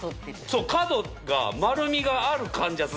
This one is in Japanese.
そう角が丸みがある感じがする。